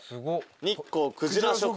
日光くじら食堂。